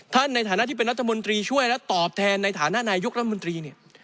ในฐานะที่เป็นรัฐมนตรีช่วยและตอบแทนในฐานะนายกรัฐมนตรีเนี่ย